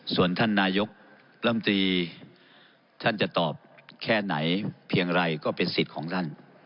ส่วนท่านนายกลำตีท่านจะตอบแค่ไหนเพียงไรก็เป็นสิทธิ์ของท่าน